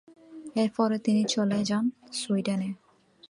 এরপরে তিনি চলে যান সুইডেন- এ।